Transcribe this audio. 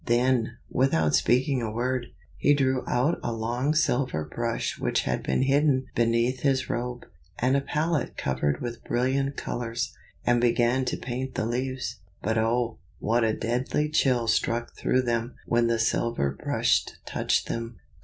Then, without speaking a word, he drew out a long silver brush which had been hidden beneath his robe, and a palette covered with brilliant colors, and began to paint the leaves. But oh! what a deadly chill struck through them when the silver brush touched them.